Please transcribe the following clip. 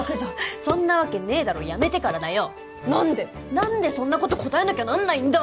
なんでそんな事答えなきゃなんないんだ！